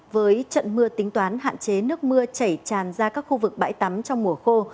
với trận mưa tính toán hạn chế nước mưa chảy tràn ra các khu vực bãi tắm trong mùa khô